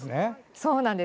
そうなんです。